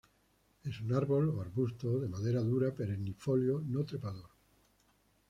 Es un árbol o arbusto de madera dura perennifolio no trepador.